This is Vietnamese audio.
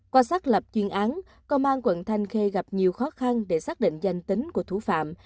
qua xác lập chuyên án công an quận thanh khê gặp nhiều khó khăn để xác định danh tính của thủ phạm